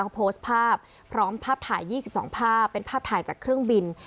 เขาโพสต์ภาพพร้อมภาพถ่าย๒๒ภาพเป็นภาพถ่ายจากเครื่องบิน